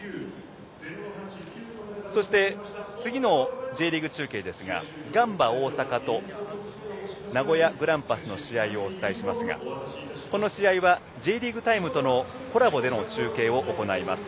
そして、次のＪリーグ中継ですがガンバ大阪と名古屋グランパスの試合をお伝えしますがこの試合は「Ｊリーグタイム」とのコラボでの中継を行います。